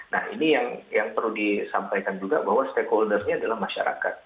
nah ini yang perlu disampaikan juga bahwa stakeholdersnya adalah masyarakat